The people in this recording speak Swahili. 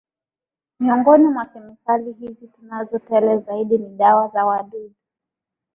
Miongoni mwa kemikali hizi tunazo tele zaidi ni dawa za wadudu